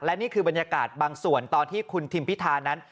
และนี่คือบรรยากาศบางส่วนตอนที่คุณทิมพิธานั้น